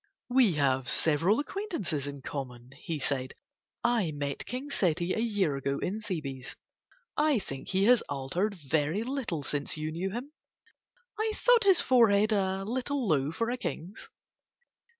"We have several acquaintances in common," he said. "I met King Seti a year ago in Thebes. I think he has altered very little since you knew him. I thought his forehead a little low for a king's.